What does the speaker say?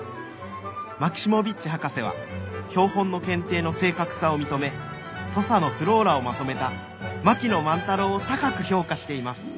マキシモヴィッチ博士は標本の検定の正確さを認め土佐のｆｌｏｒａをまとめた槙野万太郎を高く評価しています」。